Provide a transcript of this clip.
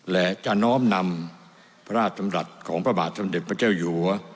และจะน้อมนำพระราชดำรัฐของพระบาทสมเด็จพระเจ้าอยู่หัว